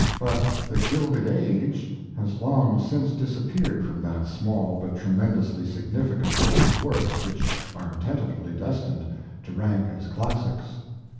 But 'The Gilded Age' has long since disappeared from that small but tremendously significant group of works which are tentatively destined to rank as classics.